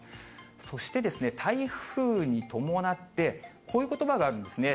そして、台風に伴って、こういうことばがあるんですね。